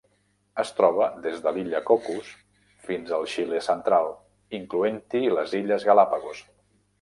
Es troba des de l'Illa Cocos fins al Xile central, incloent-hi les Illes Galápagos.